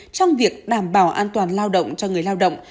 trong việc đảm bảo an toàn lao động cho người lao động